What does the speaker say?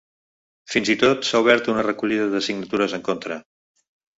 Fins i tot s’ha obert una recollida de signatures en contra.